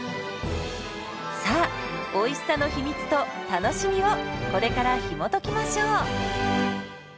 さあおいしさの秘密と楽しみをこれからひもときましょう。